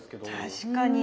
確かに。